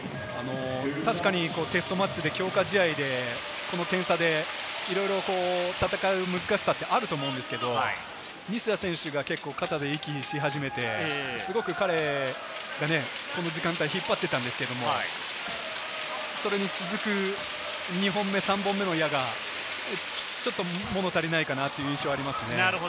確かにテストマッチで強化試合でこの点差でいろいろ戦う難しさってあると思うんですけれど、西田選手が結構、肩で息し始めて、すごく彼、この時間帯、引っ張っていたんですけれども、それに続く２本目、３本目の矢がちょっと物足りないかなという印象がありますね。